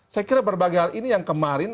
saya kira berbagai hal ini yang kemarin